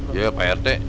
iya pak rete